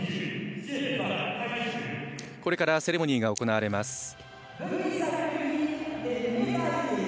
これからセレモニーが行われます。